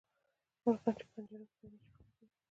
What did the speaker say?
مرغان چې په پنجرو کې پیدا شي فکر کوي.